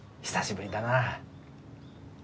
久しぶりだな。